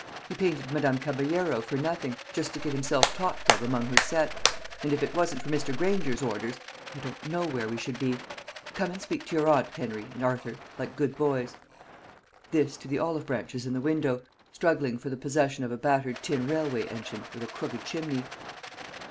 He painted Madame Caballero for nothing, just to get himself talked of among her set; and if it wasn't for Mr. Granger's orders, I don't know where we should be. Come and speak to your aunt, Henery and Arthur, like good boys." This to the olive branches in the window, struggling for the possession of a battered tin railway engine with a crooked chimney.